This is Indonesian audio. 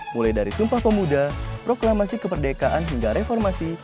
mulai dari sumpah pemuda proklamasi kemerdekaan hingga reformasi